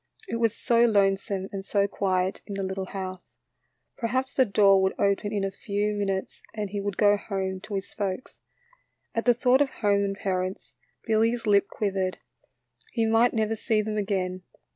It was so lonesome and so quiet in the little house. Perhaps the door would open in a few 66 THE LITTLE FORESTERS. minutes and he would go home to his folks. At the thought of home and parents, Billy's lip quivered, — he might never see them again.